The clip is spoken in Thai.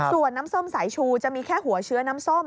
ส่วนน้ำส้มสายชูจะมีแค่หัวเชื้อน้ำส้ม